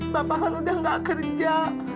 bapak kan udah gak kerja